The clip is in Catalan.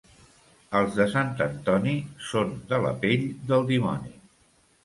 Els de Sant Antoni són de la pell del dimoni.